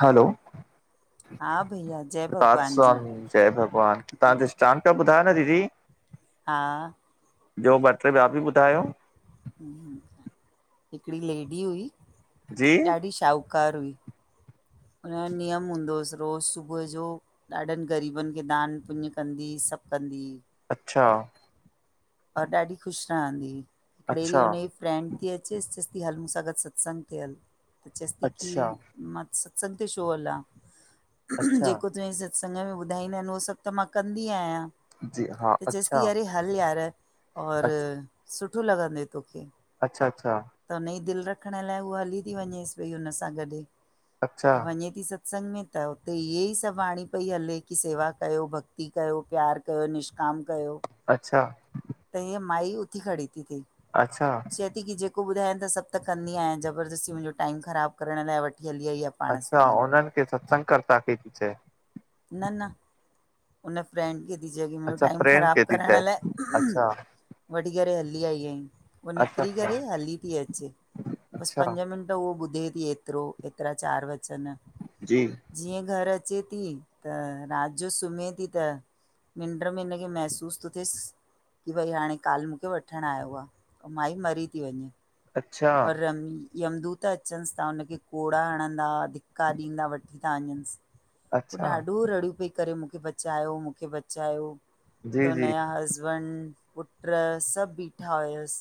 हलो, हा भईया जय राधा भॻवान जी स्वामी जय भगवान, तव्हांजो दृष्टांत पिया ॿुधायो न, दीदी। हा। बियो बे, त बिया बि बुधायो। हिकड़ी लेडी हुई, जी ढाढी शाऊ, कारू हुई, हुन जो नियम हूंदो हो रोज़ सुबह जो। ढाढनि गरीबनि खे दान पुंन कंदी, सभु कंदी। अच्छा! और ढाढी खुशि रहंदी हुई, हिकिड़े अच्छा डींहुं हुन। फ्रैंड थी अचेसि, चयेसि थी हल मूंसां गडु सत्संग थिए हल, त चयेसि थी की अच्छा मां। सत्संग ते छो हला, अच्छा जेको तूं। संग में बुधाईंदा आहिनि उहो सभु त मां कंदी आहियां, जी हा त चएसि अच्छा थी अरे हल यार। और, अच- सुठो लगंदेई तोखे। अच्छा अच्छा। त हुन जी दिलि रखण लाइ उहा हली थी वञेसि भई हुन सां गडु, अच्छा त वञे थी। सत्संग में त हुते ईं ई सभु वाणी पई हले की सेवा कयो भक्ति कयो प्यारु। त निश्काम कयो। अच्छा। त ईय माई उथी खड़ी ती थे। अच्छा। चए थी की जेको ॿुधायन त सभु त कंनी आहियां, ज़बरदस्ती मुंहिंजो टाइम ख़राबु करण लाइ वठी हली आई आ। अच्छा, उन्हनि खे सत्संग कर्ता खे थी चये? न-न हुन फ्रेंंड खे थी चयें की मुंहिंजो अच्छा टाइम फ्रेंड खे ख़राबु थी करण चए लाये अच्छा वठी करे हली आई आहीं उ अच्छा निकरी अच्छा करे हली थी अचे बसि अच्छा पंज मिंट उहो ॿुधे थी एतिरो, एतिरा चार वचन जी। जीअं घर अचे थी, त राति जो सुम्हे थी त निंड्र में हिनखे महसूस थो थिएसि की भई हाणे काल मूंखे वठणु आयो आहे, त माई मरी थी वञे अच्छा और रमी यम दूत अचनसि था हुनखे कोड़ा हणंदा दा थिंका ॾींदा वठी था वञनिसि ओ अच्छा ॾाढूं रड़ियूं पई करे मूंखे बचायो, मूंखे बचायो जी त जी हुनजां हसबैंड, पुट् सभु ॿीठा हुयसि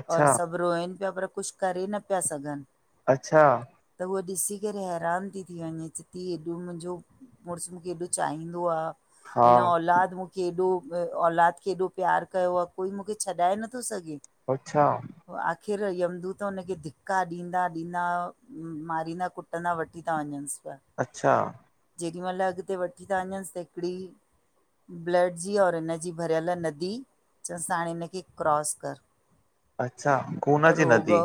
अच्छा और सभु रोइनि पिया पर कुछ करे न पिया सघनि। अच्छा। त उहा ॾिसी करे हैरान थी वञे चयथी एॾो मुंहिंजो मुंरस मूंखे हेॾो चाहींदो आ। हा हिन औलाद मुखे केॾो औलाद केॾो प्यारु कयो आहे। कोई मूंखे छॾाए नथो सघे? अच्छा। आख़िर यमदूत हुनखे धिका ॾींदा ॾींदा मारींदा कुटंदा वठी था वञनिस पिया। अच्छा। जेॾी महिल अॻिते वठी था वञसि त हिकिड़ी ब्लड जी, और हिन जी भरियल नदी चनिसि हाणे हिननखे क्रॉस कर। अच्छा। पूना जी रोग, नदी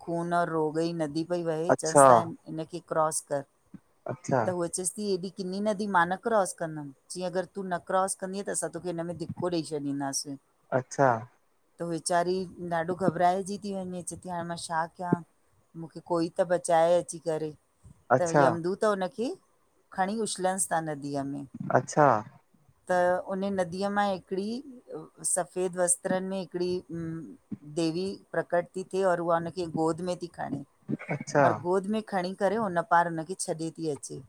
खून रोग ॼी नदी पई वहे चसि अच्छा तं हिनखे क्रॉस कर अच्छा त हुअ अचेसि थी हेॾी किंनी नदी मां न क्रॉस कंदमि जीअं अगरि तूं न क्रॉ कंदीअ त असां तोखे हिन में धीको को ॾेइ छॾींदासीं। अच्छा। त वेचारी ॾाढो घबराइजी थी वञे, चय थी हाणे मां शा कयां मूंखे कोई त बचाए अची करे। त अच्छा यमदूत हुन खे खणी उछलनिस था नदीअ में अच्छा। त उन नदीअ मां हिकिड़ी सफेद वस्त्रनि में हिकिड़ी देवी प्रकट थी थे और उहा हुनखे गोद में थी खणे, अच्छा और गोद में खणी करे उन पार हुन खे छॾे थी अचे,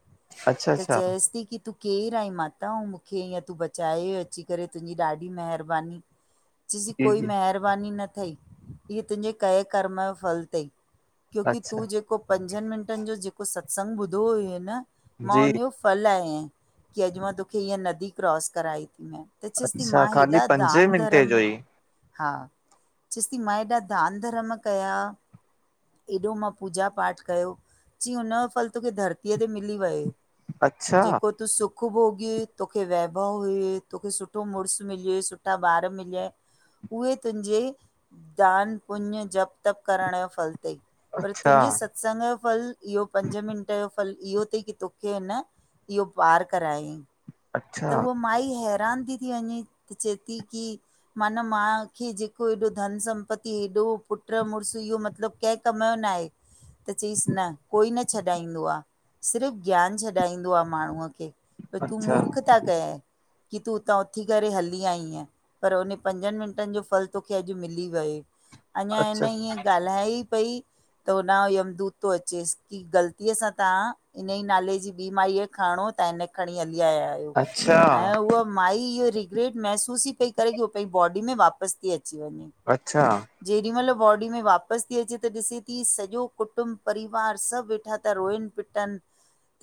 अच्छा त अच्छा चएसि थी की तू केरु आई माता? अउ मूंखे ईअं तूं बचाए अची करे तुंहिंजी ॾाढी महिरबानी। चयसथी जी कोई जी महिरबानी न थई। हीअ तुंहिंजे कए कर्म जो फल तई। क्योकि अच्छा तूं जेको पंजनि मिंटनि जो जेको सत्संग ॿुधो हुई न, मां उ जी हुनजो पल यां की अॼु मां तोखे ईयं नदी क्रॉस कराई। त चयसि ती अच्छा मां ख़ाली हेॾा पंजे दान मिंटे धर्म जो ई हा चेस ती मां एॾा दान धर्म कया? एॾो मां पूजा पाठ कयो चईं हुन जो फल तोखे धरतीअ ते मिली वियो। अच्छा जेको तूं सुख सुख भोॻय तोखे वैभव हुय तोखे सुठो मुड़ुसु मिलय सुठा ॿार मिलिय उहे तुंहिंजे दान पुञं जप तप करण जो फल थई पर अच्छा तुंहिंजी स संग जो फल इहो पंज मिनट जो फल इहो तई की तोखे इन इहो पार करायईं। अच्छा त उह माई हैरान ती थी वञे चै ती की माना मां खे जेको हेॾो धन संपति हेॾो पुट मुड़ुसु इहो मतिलबु कंहिं कम जो न आहे, [inaudible] त चईसि न कोई न छॾाईंदो आ सिर्फ़ु ज्ञान छॾाईंदो आ माण्हूअ खे। त तूं अच्छा मूर्खता कय कि तूं उतां उथी करे हली आईयं। पर उन पंजनि मिंटनि जो फल तोखे अॼु मिली वियो, अञा इन अच्छा ईएंं ॻाल्हाए ई पई त होॾां यमदूत तो अचेसि की ग़लतीअ सां तव्हां इन ई नाले जी ॿी माई खे खरणो हो त हिन खे खणी हली आया आहियो, अच्छा ऐं उअ माई इहो रिग्रेट महसूस ई पई करे की उह पंहिंजी बॉडी में वापसि ती अची वञे। अच्छा। जेॾी महिल बॉडी में वापसि ती अचे त ॾिसे ती सॼो कुटुंब परिवार सभु वेठा ता रोइन पिट टन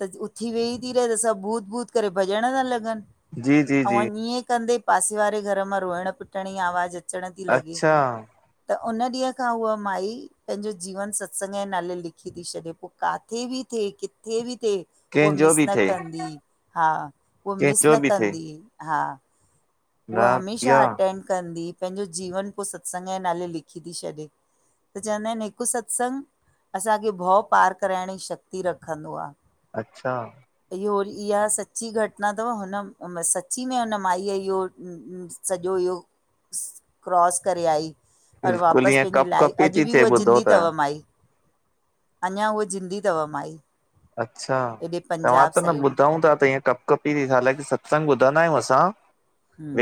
त उथी वेही ती रहे त सभु भूत- भूत करे भ ॾयण ता लॻनि, जी जी जी औं इएं कंदे पासे वारे घर मां रोअण पिटण जी आवाज़ अचण ती लॻे, अच्छा त उन ॾींहं खां उह माई पंहिंजो जीवन सत्संग जे नाले लिखी ती छॾे पो काथे बि थिए किथे बि थिए, उह कंहिंजो मिस बि न थिए कंदी हा उह मिस कंहिंजो न बि थिए कंदी हा। न उहा हमेशह इहा अटेंड कंदी ई पंहिंजो जीवन पो सत्संग जे नाले लिखी ती छॾे। त चवंदा आहिनि हिकु सत्संग असांखे भउ पार कराइण जी शक्ति रखंदो आ। अच्छा। इहो वरी इहा सच्ची घट ना तव, हुन उम सच्ची में हुन माईअ इहो अम्म सॼो इहो क्रॉस करे आई। और बिल्कुलु वापसि ईअं पंहिंजी कप लाइ कपी अॼु थी बि थिए उहा ॿुधो जिंदी त तव माई। अञा उअ जिंदी तव माई। अच्छा, हेॾे तव्हां पंजाब त न साइड ॿुधा हुंदा त ईअं कप कंपी ती हालांकि सत्संग ॿुधंदा आहियूं असां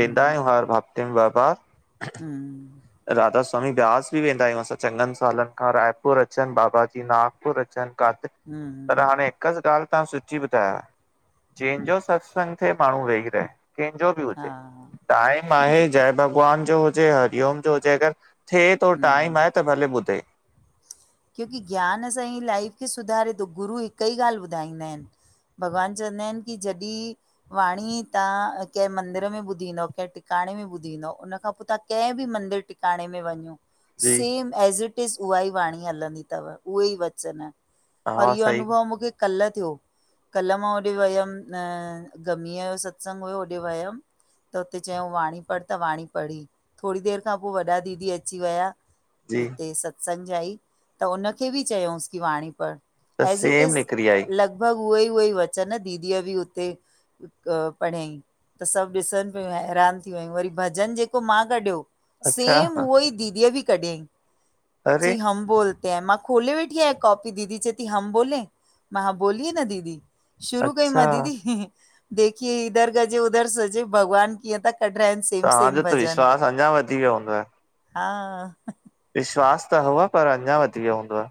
वेंदा आहियूं हर हफ् [unintelligible] हम्म, राधा स्वामी ब्यास बि वेंदा आहियूं असां, चङनि सालनि खां रायपुर अचनि बाबा जी नागपुर अचनि काथे? पर हम्म हाणे हिकु ॻाल्हि तव्हां सची ॿुधायव, जंहिंजो सत्संग थिए माण्हू वेही रहे। कंहिंजो बि हा हुजे टाइम आहे जय भॻवान जो हुजे, हरिओम जो हुजे अगरि थे तो टाइम हम्म आहे त भले ॿुधे। क्योंकि ज्ञान सां ई लाइफ खे सुधारे तो, गुरु हिक ई ॻाल्हि ॿुधाईंदा आहिनि। भॻवान चवंदा आहिनि कि जॾहिं वाणी तव्हां कंहिं मंदिर में ॿुधी ईंदव कंहिं टिकाणे में ॿुधी ईंदव, उन खां पोइ तव्हां कंहिं बि मंदिर टि काणे में वञो जी सेम ऐज इट इज़ उहा ई वाणी हलंदी तव, उहो ई वचन और हा इहो सही अनुभव मूंखे कल्ह थियो कल मां होॾे वयमि न गमीअ जो सत्संग हुयो होॾे वयमि त हुते चयाऊं वाणी पढ़ त वाणी पढ़ी। थोरी देरि खां पोइ वॾा दीदी अची विया जी हिते सत्संग जा ई, त उन खे बि चयाऊंसि कि वाणी पढ़। त ऐज इट सेम इज़ निकिरी आई लॻभॻि उहो ई -उहो ई वचन दीदीअ बि हुते पढ़ियईं त सभु ॾिसनि पयूं, ऐं हैरान थी वयूं वरी भजन जेको मां कढियो अच्छा सेम उहो ई दीदीअ बि कढियईं, अरे चयईं हम बोल ते मां खोले वेठी आहियां कॉपी दीदी चए थी हम बोलें! मां हा बोलीये न दीदी शुरू कई मां अच्छा दीदी हीं -ही, देखिए इधर का जो उधर सजे भॻवान कीअं त क कढराइन सेम- सेम तव्हांजो त भॼन विश्वास अञा वधी वियो हूंदव। हा विश्वास त हुअव पर अञा वधी वियो हूंदव।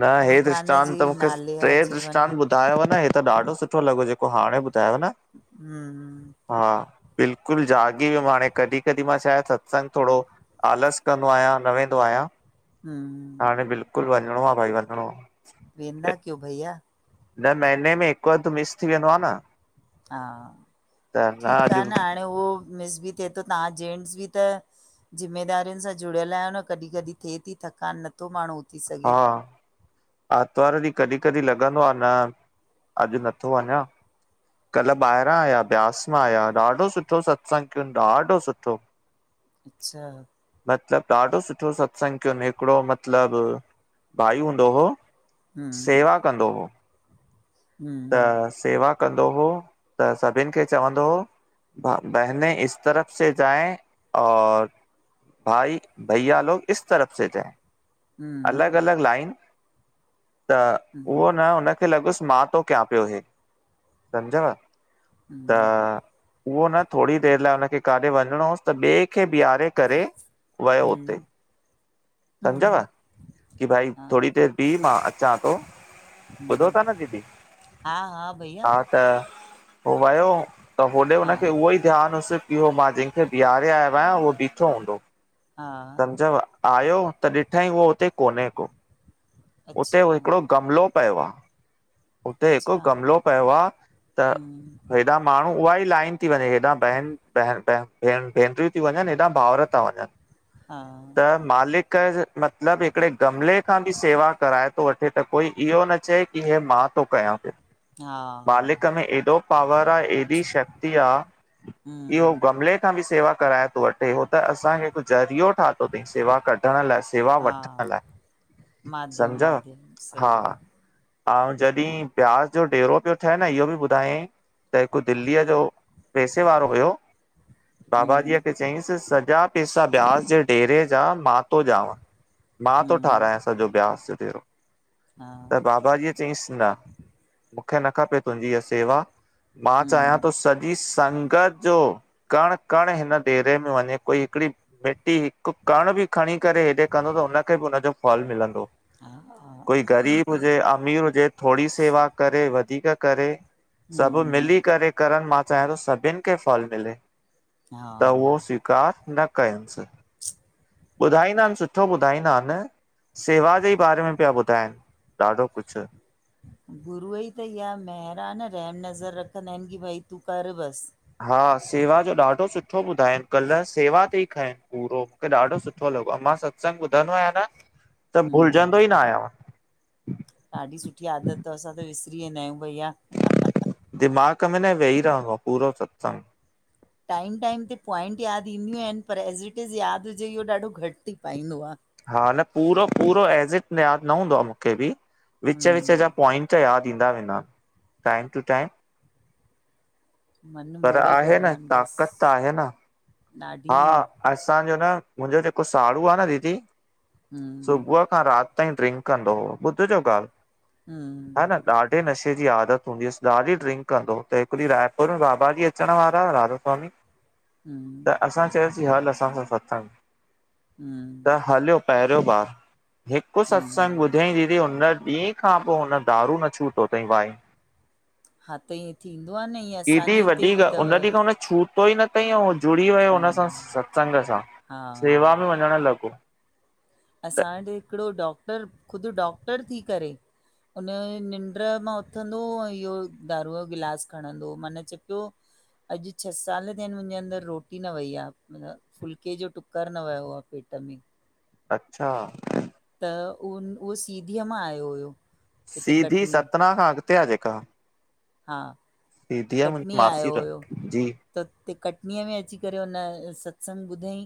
न हे त भॻवान दृष्टानत जे त ई मूंखे नाले टे आहे जीवन दृष्टानत ॿुध ॿुधायव न हे त ॾाढो सुठो लॻो जेको हाणे ॿुधायव न हम्म ह हा बिल्कुल जाॻी वियुमि हाणे कॾहिं -कॾहिं मां छा आहे सत्संग थोरो आलस कंदो आहियां न वेंदो आहियां, हम्म हाणे बिल्कुल वञिणो आ भाई वञिणो आ। वेंदा कयो भैया न महीने में हिकु अध मिस थी वेंदो आ न हा त ठीकु अॼु आहे न हाणे उहो मिस बि थिए थो तव्हां जेंट्स बि त ज़िम्मेदारियुनि सां जुड़ियल आहियो न कॾहिं- कॾहिं थिए थी थकान नथो माण्हू उथी सघे आरतवारु ॾींहुं कॾहिं -कॾहिं लॻंदो आ न, अॼु नथो वञा कल्ह ॿाहिरां आया ब्यास मां आहियां, ॾाढो सुठो सत्संग कयन, ॾाढो सुठो। अच्छा मतिलबु ॾाढो सुठो सत्संगु कयोन हिकिड़ो मतिलबु, भाई हूंदो हुओ सेवा कंदो हो हुं त सेवा कंदो हो त सभिनि खे चवंदो हो बहने इस तरफ़ से जाऐ, और भाई भइया लोग इस तरफ़ से जाए। हम्म अलॻि अलॻि लाइन त उहो हम्म न हुनखे लॻुसि मां थो कयां पियो हे! समुझव त उहो न थोड़ी देरि लाइ हुनखे काॾे वञिणो होसि त ॿिए ॿे खे बिहारे करे वयो हुते हम्म हम्म समुझव, हम्म कि भाई हा थोरी देरि बिह मां अचां तो ॿुधो हम्म ता न दीदी हा हा भईया हा त, पोइ वयो त होॾे हा हुनखे उहो ई ध्यान हुुसि की हो मां जंहिंखे बीहारे आयो आहियां उहो बीठो हूंदो हा समुझव आयो त ॾिठईं उहो हुते कोन्हे को उते अच्छा हिकिड़ो गमलो पियो आ उते हिकु अच्छा गमलो पियो आ, त हम्म हेॾा त माण्हू उहा ई लाइन थी वञे हेॾा बहन ब भे भेनरियूं थी वञनि हेॾा भाउर था वञनि हा त मालिक मतिलब हिकिड़े गमले खां बि सेवा कराए थो वठे त कोई इहो न चए की ही मां थो कयां पयो हा मालिक में एॾो पावर आह, एॾी शक्ति आ कि हो हम्म गमले खां बि सेवा कराए थो वठे त उहो त असांखे हिकु ज़रियो ठातो तईं सेवा कढण लाइ, सेवा वठण हा लाइ माध्यम सम्झव? माध्यम, हा, सही आहे ऐं जॾहिं ब्यास जो डेरो पियो ठहे न इहो बि ॿुधाई त हिकु दिल्लीअ जो पैसे वारो हुयो बाबाजीअ हम्म खे चयईंसि सॼा पेसा ब्यास जे डेरे जा मा मां थो ॾियांव, मां थो हम्म ठाहिरायां सॼो ब्यास जो डेरो हा त बाबा जीअ चईंसि न मूंखे न खपे तुंहिंजी इहा सेवा मां चाहियां हम्म थो सॼी संगत जो कण कण हिन डेरे में वञे कोई हिकिड़ी मिटी हिकु कण बि खणी करे हेॾे कंदो त उ हुनखे बि हुनजो फलु मिलंदो हा कोई ग़रीब [unintelligible] हुजे अमीर हुजे थोड़ी सेवा करे वधीक करे सभु हम्म मिली करे करन, मां चाहियां थो सभिनि खे फल मिले, हा त उहो स्वीकार न कंयंसि स ॿुधाईंदा आहिनि सुठो ॿुधाईंदा आहिनि सेवा जे ई बारे में पिया ॿुधाइनि ॾाढो कुछु ह [inaudible] गुरूअ जी त इहा महिर न रहम नज़र रखंदा आहिनि की भई तूं कर बसि हा सेवा जो ॾाढो सुठो ॿुधाइनि कल्ह सेवा ते ई खइनि पूरो मूंखे ॾाढो सुठो लॻो आहिं मां सत्संग ॿुधंदो आहियां न [inaudible] त भुलजंदो ई न आहियां ॾाढी सुठी आदत अथ असां त विसरी वेंदा आहियूं भईया दिमाग़ में न वेहईी रहंदो आहे पूरो सत्संग टाइम टाइम ते पॉइंट यादि ईंदियूं आहिनि पर एज़ इट इज़ यादि हुजे इहो ॾाढो घटि थी पाईंदो आ हा न पूरो पूरो एज़िट यादि न हूंदो आहे मूंखे बि विच विच जा हम्म पॉइंट त यादि ईंदा वेंदा टाइम टू टाइम मनु पर मोड़े आहे न भॻवानु ताक़त त बसि आहे न। हा ॾाढी असांजो न मुंहिंजो जेको साड़ू आहे न दीदी सुबुह हम्म सुबह खां राति ताईं ड्रिंक कंदो हु ॿुध जो ॻाल्हि हा हम न ॾाढे नशे जी आदत हूंदी हुअसि ॾाढी ड्रिंक कंदो त हिकु ॾींहुं रायपुर में बाबा जी अचण वारा राधा स्वामी त हम्म असां चयोसीं हल असां सां सत्संग। हम त हलियो पहिरियों बार हिकु सत्संग हम्म ॿुधो धईं दीदी हुन ॾींहं खां पोइ हुन दारू न छूटो थईं वाईन। हा त ईअं थींदो आहे न ईं एॾी वॾी गाल् उन ॾींहुं खां उन छूट टोइ न थई ऐं उहो जुड़ी वियो हा हुन सां सत्संग सां हा सेवा में वञणु लॻो। त असां ॾे हिकिड़ो डॉक्टर ख़ुदि डॉक्टर थी करे उन निंड्रमां उथंदो ऐं इहो दारूअ जो गिलास खणंदो माना चए पियो अॼ छह साल थिया आहिन मुंजे अंदरि रोटी न वई आ मना फुल्के जो टुकुर न वयो आ पेट में अच्छा त उन उहो सीधीअ मां आयो हुयो। हिते सीधी कटनी सतना खां अॻते आ जेका? हा। सीधी मुंजी कटनी मासी आयो र हुयो जी। त उते कटनीअ में अची करे हुन सत्संग ॿुधईं।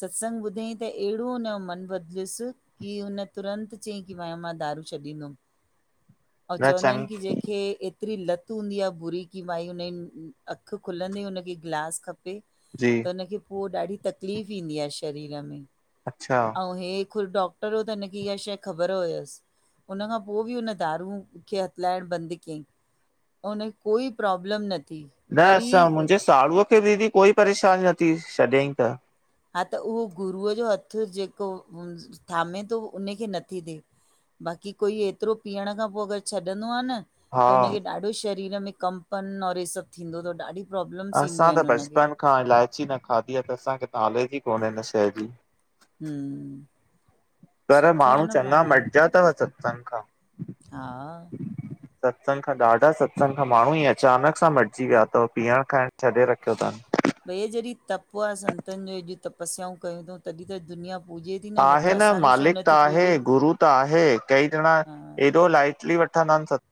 सत्संग ॿुधईं त अहिड़ो उन जो मन बदलस कि हुन तुरंत चयईं की मां मां दारू छॾींदुम। अऊं न चवंदा आहिन कि चंग जंहिंखे एतरी लत हूंदी आ बुरी कि भाई हुनजी अख खुलंदे हुन खे गिलास खपे। त जी। हुनखे पो ॾाढी तकलीफ़ थींदी आहे शरीर में। अच्छा अऊं हे ख़ुद डॉक्टर हो त हिनखे इहा शइ ख़बर हुयस। उन खां पो बि हुन दारू खे हथलाइण बंद कयईं ऐं हुनखे कोई प्रॉब्लम न थी। न वरी असां मुंजे साड़ूअ खे दीदी कोई परेशानी न थी शॾियाईंं त हा त उहो गुरूअ जो हथ जेको थामे थो उन खे नथी थे बाक़ी कोई एतरो पीअण खां पो अगर छॾंदो आ न हा त हुनखे ॾाढो शरीर में कंपन और इ सभ थींदो थव ॾाढी प्रॉब्लम्स असां ईंदियूं त आहिन हुनखे। बचपन खां इलायची न खाधी आ त असांखे नोलेज ई कोन्हे हिन शइ जी हमम् पर माण्हू चङा मटजया थव सत्संग खां। हा सत्संग खां ॾाढा सत्संग खां माण्हू ई अचानक सां मटजी विया थव पीअण खाइण छॾे रखियो थनि। भईया जॾहिं तप आहे संतन जो हेॾियूं तपस्याऊं कयूं अथऊं तॾहिं त दुनिया पूॼे थी त आहे न असांखे छो मालिक त नथी आहे पूॼे गुरू त आहे कई ॼणा हा एॾो लाइटली वठंदा आहिन सत